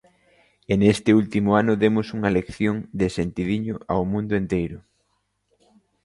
E neste último ano demos unha lección de sentidiño ao mundo enteiro.